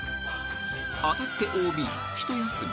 ［当たってＯＢ一休み］